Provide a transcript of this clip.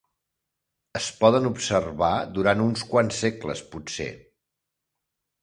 Es poden observar durant uns quants segles potser.